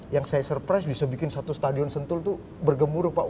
yang saya surprise bisa bikin satu stadion sentul itu bergemuruh pak